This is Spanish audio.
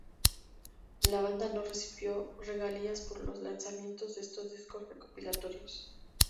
La banda no recibió regalías por los lanzamientos de estos discos recopilatorios.